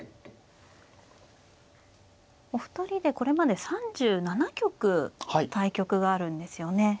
お二人でこれまで３７局対局があるんですよね。